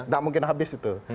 tidak mungkin habis itu